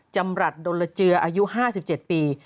จำรัฐดนละเจืออายุ๕๗ปี